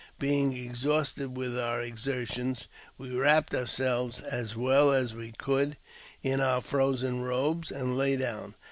Being exhausted with our exertions, we wrapped ourselves as well as we could in our frozen robes, and lay down.